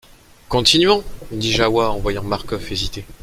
Continuons, dit Jahoua en voyant Marcof hésiter.